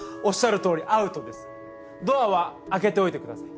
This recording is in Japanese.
ドアは開けておいてください。